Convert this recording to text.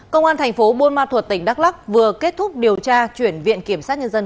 công an thành phố buôn ma thuật tỉnh đắk lắc vừa kết thúc điều tra chuyển viện kiểm sát nhân dân